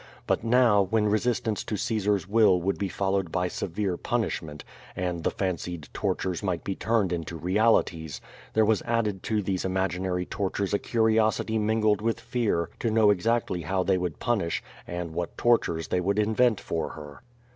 But now when resistance to Caesar's will would be followed by severe punishment, and^ the fancied tortures might be turned into realities, there was added to these imaginary tor tures a curiosity mingled witii fear to know emctly how they would punish, and what^rtorea they would invent for her.